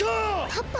パパ？